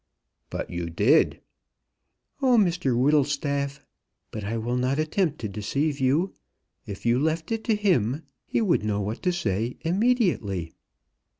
"But you did." "Oh, Mr Whittlestaff! But I will not attempt to deceive you. If you left it to him, he would know what to say, immediately."